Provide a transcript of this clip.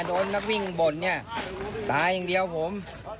โดนนักวิ่งบ่นเนี่ยตายอย่างเดียวผม